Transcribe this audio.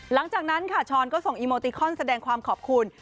หลังจากนั้นค่ะช้อนก็ส่งอีโมติคอนแสดงความขอบคุณ